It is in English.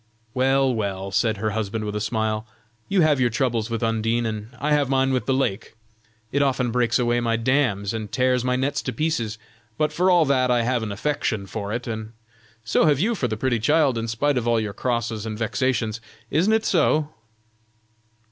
"Well, well," said her husband with a smile, "you have your troubles with Undine, and I have mine with the lake. It often breaks away my dams, and tears my nets to pieces, but for all that, I have an affection for it, and so have you for the pretty child, in spite of all your crosses and vexations. Isn't it so?"